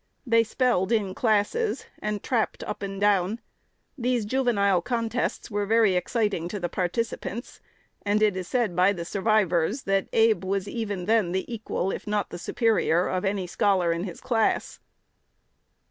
They spelled in classes, and "trapped" up and down. These juvenile contests were very exciting to the participants; and it is said by the survivors, that Abe was even then the equal, if not the superior, of any scholar in his class.